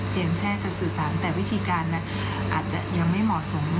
แพทย์จะสื่อสารแต่วิธีการนั้นอาจจะยังไม่เหมาะสม